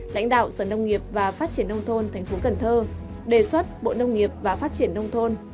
lãnh đạo sở nông nghiệp và phát triển nông thôn thành phố cần thơ đề xuất bộ nông nghiệp và phát triển nông thôn